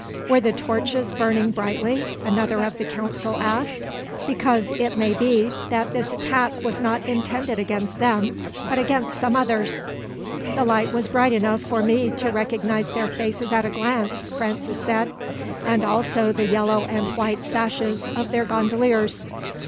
"Were the torches burning brightly?" another of the council asked; "because it may be that this attack was not intended against them, but against some others." "The light was bright enough for me to recognize their faces at a glance," Francis said, "and also the yellow and white sashes of their gondoliers."